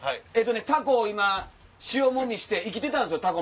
タコを今塩揉みして生きてたんですよタコ。